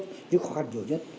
những cái khó khăn nhiều nhất